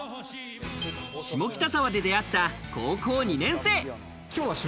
下北沢で出会った高校２年生。